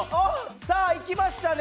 さあいきましたね。